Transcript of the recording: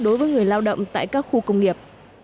đối với người lao động tại các khu công nghiệp